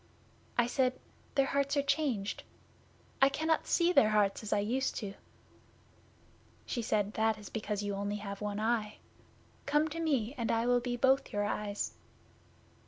I said "Their hearts are changed. I cannot see their hearts as I used to." She said, "That is because you have only one eye. Come to me and I will be both your eyes."